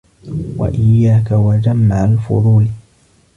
وَإِيَّاكَ وَجَمْعَ الْفُضُولِ